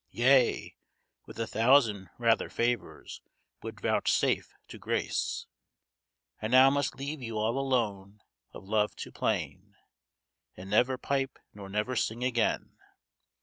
Yea, with a thousand rather favours, would vouchsafe to grace, I now must leave you all alone, of love to plain; And never pipe, nor never sing again!